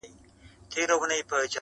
چې په خوېشکو روهاڼیو باندې راشې